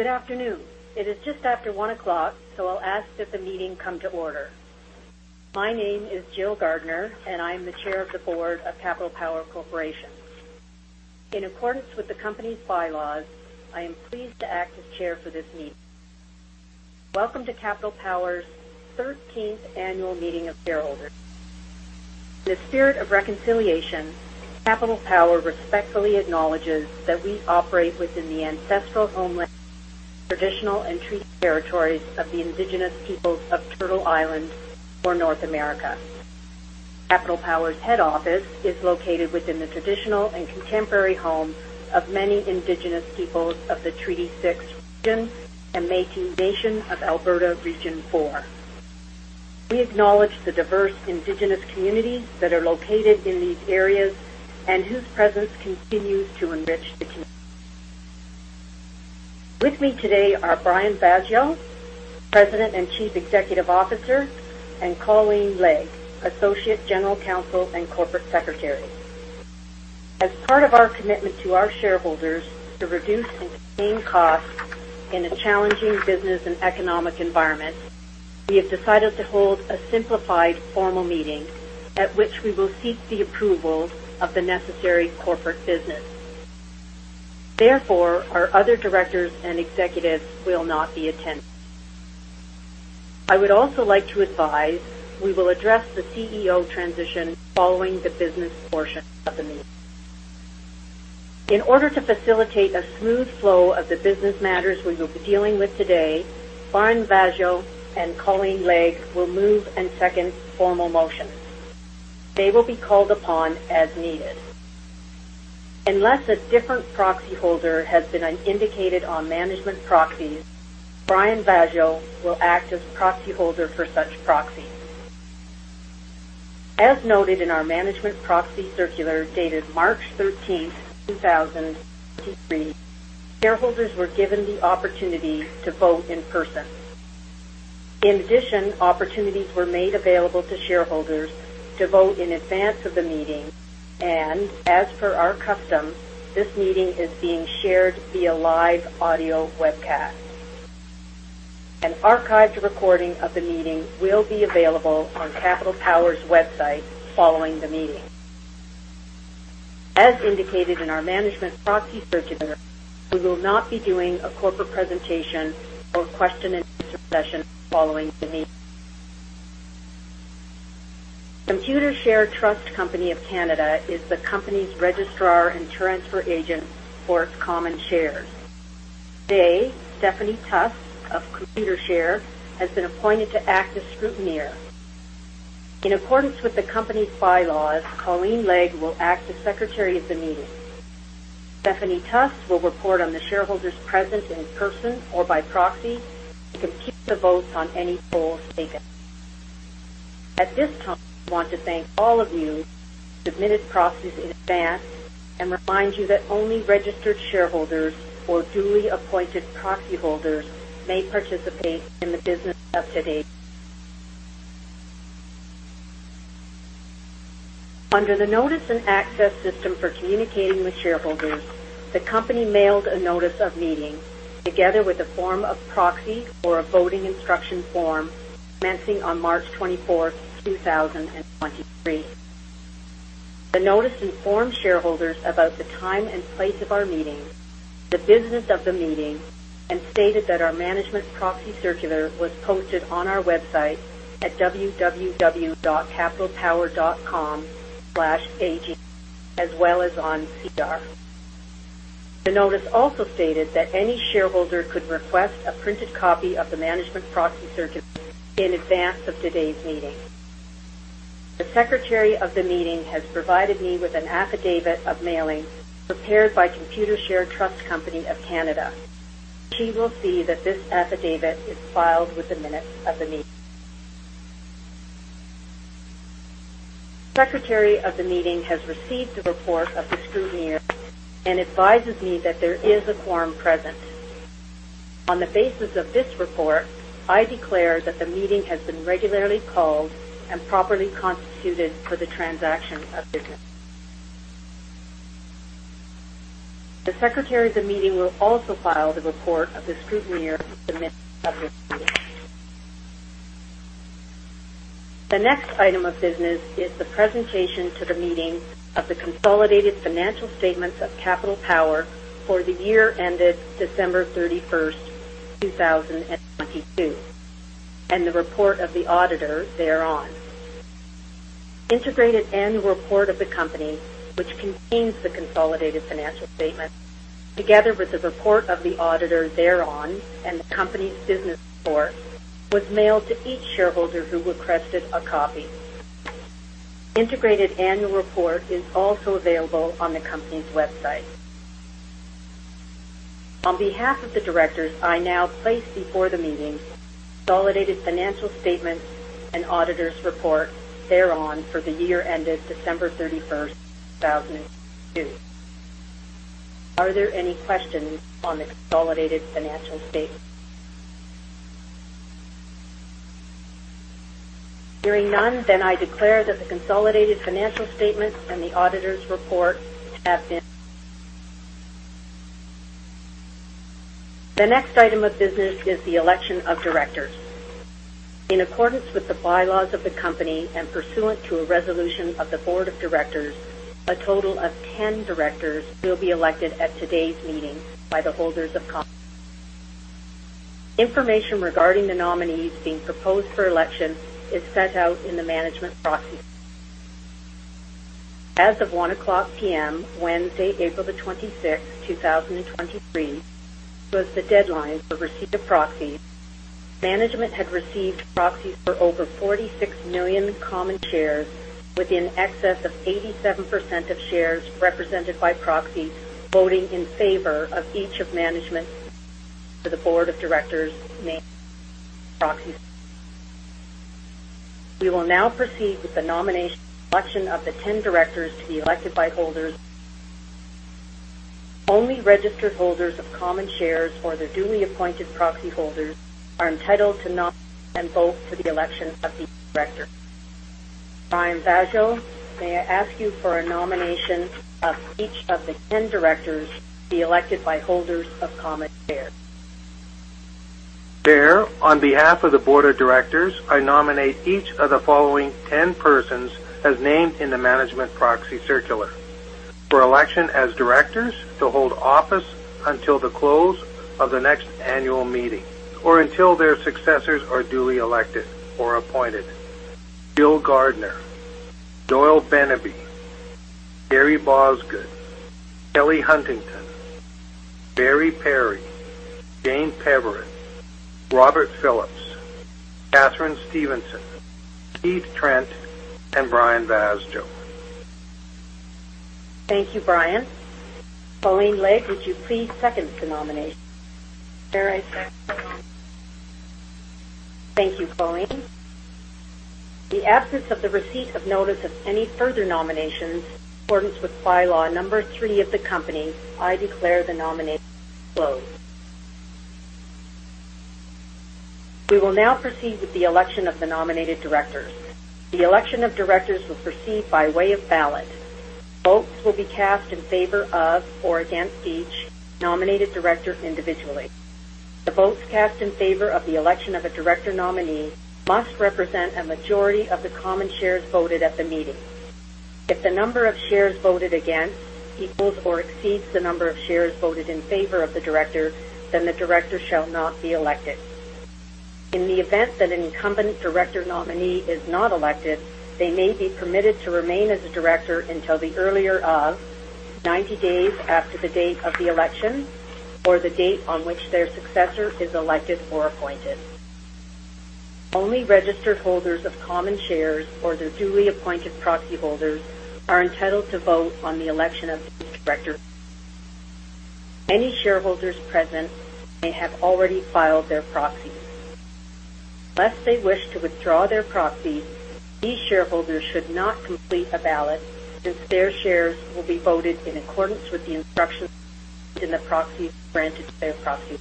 Good afternoon. It is just after 1:00 P.M., so I'll ask that the meeting come to order. My name is Jill Gardiner, and I'm the Chair of the Board of Capital Power Corporation. In accordance with the company's bylaws, I am pleased to act as chair for this meeting. Welcome to Capital Power's 13th annual meeting of shareholders. In the spirit of reconciliation, Capital Power respectfully acknowledges that we operate within the ancestral homeland, traditional, and treaty territories of the indigenous peoples of Turtle Island or North America. Capital Power's head office is located within the traditional and contemporary home of many indigenous peoples of the Treaty 6 region and Métis Nation of Alberta Region 4. We acknowledge the diverse indigenous communities that are located in these areas and whose presence continues to enrich the community. With me today are Brian Vaasjo, President and Chief Executive Officer, and Colleen Legge, Associate General Counsel and Corporate Secretary. As part of our commitment to our shareholders to reduce and contain costs in a challenging business and economic environment, we have decided to hold a simplified formal meeting at which we will seek the approval of the necessary corporate business. Therefore, our other directors and executives will not be attending. I would also like to advise we will address the CEO transition following the business portion of the meeting. In order to facilitate a smooth flow of the business matters we will be dealing with today, Brian Vaasjo and Colleen Legge will move and second formal motions. They will be called upon as needed. Unless a different proxy holder has been indicated on management proxies, Brian Vaasjo will act as proxy holder for such proxies. As noted in our management proxy circular dated March 13th, 2023, shareholders were given the opportunity to vote in person. In addition, opportunities were made available to shareholders to vote in advance of the meeting. As per our custom, this meeting is being shared via live audio webcast. An archived recording of the meeting will be available on Capital Power's website following the meeting. As indicated in our management proxy circular, we will not be doing a corporate presentation or question and answer session following the meeting. Computershare Trust Company of Canada is the company's registrar and transfer agent for its common shares. Today, Stephanie Tuss of Computershare has been appointed to act as scrutineer. In accordance with the company's bylaws, Colleen Legge will act as secretary of the meeting. Stephanie Tuss will report on the shareholders present in person or by proxy to keep the votes on any polls taken. At this time, I want to thank all of you who submitted proxies in advance and remind you that only registered shareholders or duly appointed proxy holders may participate in the business of today. Under the Notice and Access system for communicating with shareholders, the company mailed a notice of meeting, together with a form of proxy or a voting instruction form commencing on March 24, 2023. The notice informed shareholders about the time and place of our meeting, the business of the meeting, and stated that our management proxy circular was posted on our website at www.capitalpower.com/AGM as well as on SEDAR. The notice also stated that any shareholder could request a printed copy of the management proxy circular in advance of today's meeting. The secretary of the meeting has provided me with an affidavit of mailing prepared by Computershare Trust Company of Canada. She will see that this affidavit is filed with the minutes of the meeting. The secretary of the meeting has received the report of the scrutineer and advises me that there is a quorum present. On the basis of this report, I declare that the meeting has been regularly called and properly constituted for the transaction of business. The secretary of the meeting will also file the report of the scrutineer of the minutes of this meeting. The next item of business is the presentation to the meeting of the consolidated financial statements of Capital Power for the year ended December 31st, 2022, and the report of the auditor thereon. Integrated end report of the company, which contains the consolidated financial statement together with the report of the auditor thereon and the company's business report, was mailed to each shareholder who requested a copy. Integrated annual report is also available on the company's website. On behalf of the directors, I now place before the meeting consolidated financial statements and auditor's report thereon for the year ended December 31st, 2002. Are there any questions on the consolidated financial statements? Hearing none, I declare that the consolidated financial statements and the auditor's report have been. The next item of business is the election of directors. In accordance with the bylaws of the company and pursuant to a resolution of the board of directors, a total of 10 directors will be elected at today's meeting by the holders of common. Information regarding the nominees being proposed for election is set out in the management proxy. As of 1:00 P.M., Wednesday, April 26, 2023, was the deadline for receipt of proxies. Management had received proxies for over 46 million common shares with in excess of 87% of shares represented by proxy voting in favor of each of management for the board of directors main proxy. We will now proceed with the nomination election of the 10 directors to be elected by holders. Only registered holders of common shares or their duly appointed proxy holders are entitled to nominate and vote for the election of these directors. Brian Vaasjo, may I ask you for a nomination of each of the 10 directors to be elected by holders of common shares? Chair, on behalf of the board of directors, I nominate each of the following 10 persons as named in the management proxy circular for election as directors to hold office until the close of the next annual meeting or until their successors are duly elected or appointed. Jill Gardiner, Doyle Beneby, Gary Bosgoed, Kelly Huntington, Barry Perry, Jane Peverett, Robert Phillips, Katharine Stevenson, Keith Trent, and Brian Vaasjo. Thank you, Brian. Pauline McLean, would you please second the nomination? Chair, I second the nomination. Thank you, Pauline. The absence of the receipt of notice of any further nominations in accordance with bylaw number three of the company, I declare the nomination closed. We will now proceed with the election of the nominated directors. The election of directors will proceed by way of ballot. Votes will be cast in favor of or against each nominated director individually. The votes cast in favor of the election of a director nominee must represent a majority of the common shares voted at the meeting. If the number of shares voted against equals or exceeds the number of shares voted in favor of the director, then the director shall not be elected. In the event that an incumbent director nominee is not elected, they may be permitted to remain as a director until the earlier of 90 days after the date of the election or the date on which their successor is elected or appointed. Only registered holders of common shares or their duly appointed proxy holders are entitled to vote on the election of these directors. Any shareholders present may have already filed their proxies. Lest they wish to withdraw their proxies, these shareholders should not complete a ballot since their shares will be voted in accordance with the instructions in the proxies granted to their proxy.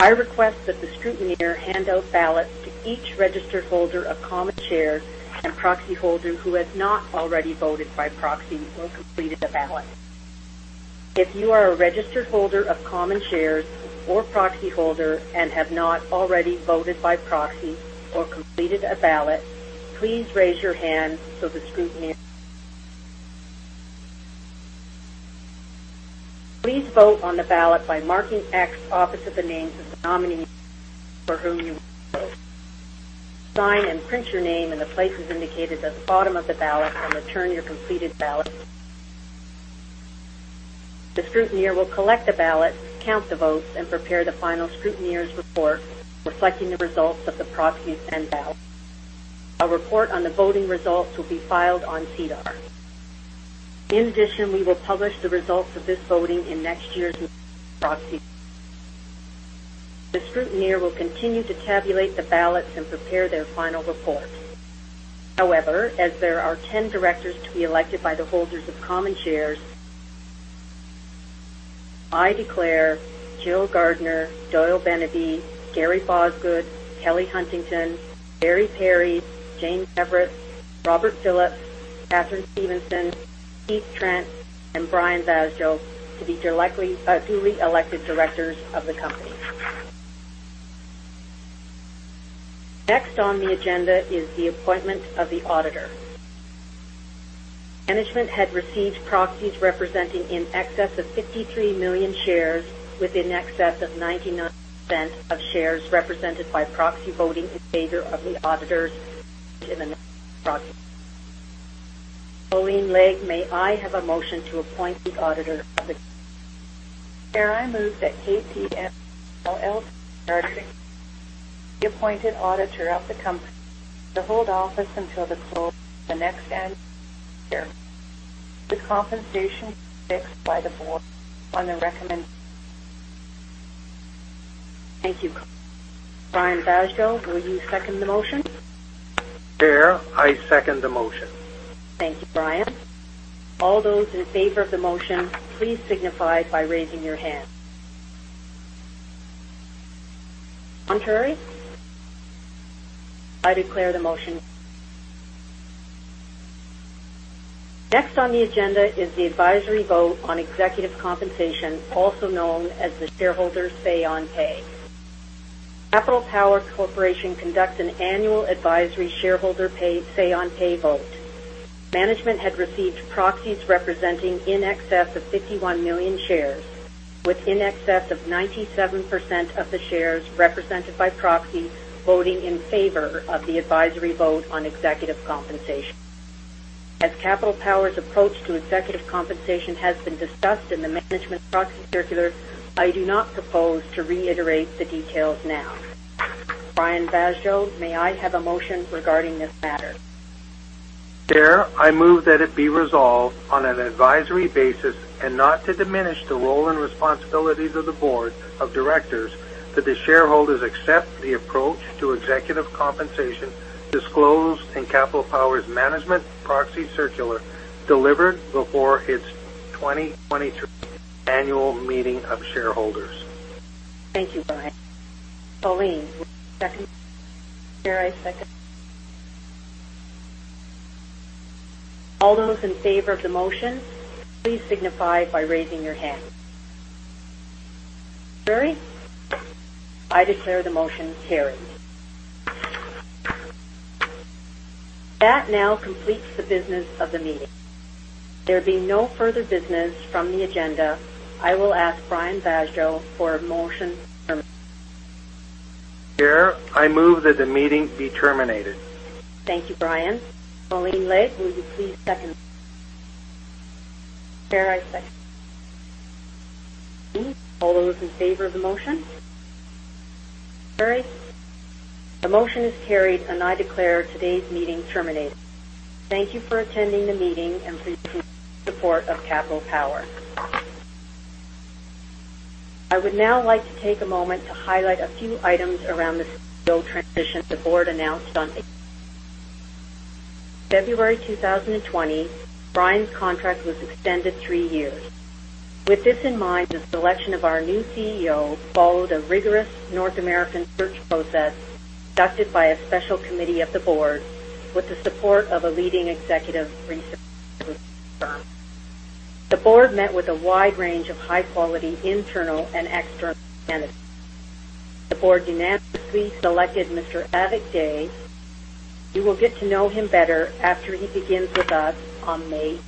I request that the scrutineer hand out ballots to each registered holder of common shares and proxy holder who has not already voted by proxy or completed a ballot. If you are a registered holder of common shares or proxy holder and have not already voted by proxy or completed a ballot, please raise your hand so the scrutineer. Please vote on the ballot by marking X opposite the names of the nominees for whom you vote. Sign and print your name in the places indicated at the bottom of the ballot and return your completed ballot. The scrutineer will collect the ballot, count the votes, and prepare the final scrutineer's report reflecting the results of the proxies and ballots. A report on the voting results will be filed on SEDAR. In addition, we will publish the results of this voting in next year's proxy. The scrutineer will continue to tabulate the ballots and prepare their final report. As there are 10 directors to be elected by the holders of common shares, I declare Jill Gardiner, Doyle Beneby, Gary Bosgoed, Kelly Huntington, Barry Perry, Jane Peverett, Robert Phillips, Katharine Stevenson, Keith Trent, and Brian Vaasjo to be duly elected directors of the company. Next on the agenda is the appointment of the auditor. Management had received proxies representing in excess of 53 million shares with in excess of 99% of shares represented by proxy voting in favor of the auditors in the next proxy. Pauline McLean, may I have a motion to appoint the auditor of the company? Chair, I move that KPMG LLP be appointed auditor of the company to hold office until the close of the next annual meeting. The compensation is fixed by the board on the. Thank you. Brian Vaasjo, will you second the motion? Chair, I second the motion. Thank you, Brian. All those in favor of the motion, please signify by raising your hand. Contrary? I declare the motion. Next on the agenda is the advisory vote on executive compensation, also known as the Say on Pay. Capital Power Corporation conducts an annual advisory shareholder Say on Pay vote. Management had received proxies representing in excess of 51 million shares, with in excess of 97% of the shares represented by proxy voting in favor of the advisory vote on executive compensation. As Capital Power's approach to executive compensation has been discussed in the management proxy circular, I do not propose to reiterate the details now. Brian Vaasjo, may I have a motion regarding this matter? Chair, I move that it be resolved on an advisory basis and not to diminish the role and responsibilities of the board of directors that the shareholders accept the approach to executive compensation disclosed in Capital Power's management proxy circular delivered before its 2023 annual meeting of shareholders. Thank you, Brian. Colleen. Chair, I second. All those in favor of the motion, please signify by raising your hand. Contrary? I declare the motion carried. That now completes the business of the meeting. There being no further business from the agenda, I will ask Brian Vaasjo for a motion to- Chair, I move that the meeting be terminated. Thank you, Brian. Colleen Legge, will you please second? Chair, I second. All those in favor of the motion. Contrary? The motion is carried, and I declare today's meeting terminated. Thank you for attending the meeting and for your support of Capital Power. I would now like to take a moment to highlight a few items around the CEO transition the board announced on... February 2020, Brian's contract was extended three years. With this in mind, the selection of our new CEO followed a rigorous North American search process conducted by a special committee of the board with the support of a leading executive research firm. The board met with a wide range of high-quality internal and external candidates. The board unanimously selected Mr. Avik Dey. You will get to know him better after he begins with us on May.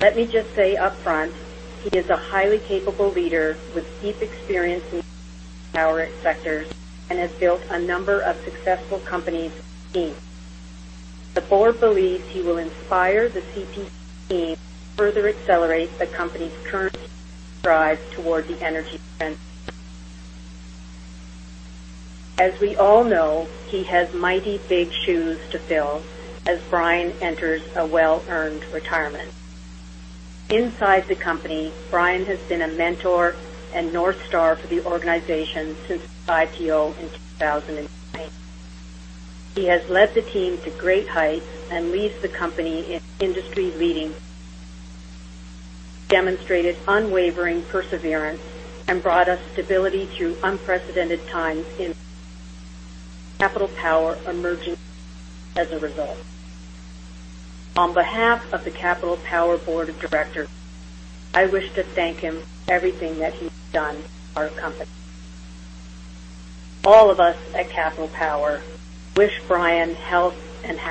Let me just say upfront, he is a highly capable leader with deep experience in power sectors and has built a number of successful companies. The board believes he will inspire the CP team to further accelerate the company's current strides toward the energy transition. As we all know, he has mighty big shoes to fill as Brian enters a well-earned retirement. Inside the company, Brian has been a mentor and North Star for the organization since its IPO in 2008. He has led the team to great heights and leaves the company in industry-leading demonstrated unwavering perseverance and brought us stability through unprecedented times in Capital Power emerging as a result. On behalf of the Capital Power Board of Directors, I wish to thank him everything that he's done for our company. All of us at Capital Power wish Brian health and happiness.